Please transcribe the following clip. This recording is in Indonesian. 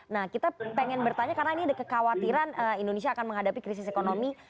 nah kita pengen bertanya karena ini ada kekhawatiran indonesia akan menghadapi krisis ekonomi